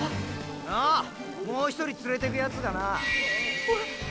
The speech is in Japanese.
ああもう一人連れてくヤツがな。え？